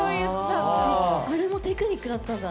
あれもテクニックだったんだ。